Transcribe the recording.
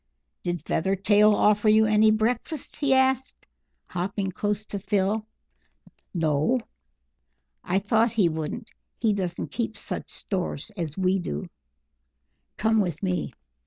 "Did Feathertail offer you any breakfast?" he asked, hopping close to Phil. "No." "I thought he wouldn't. He doesn't keep such stores as we do. Come with me."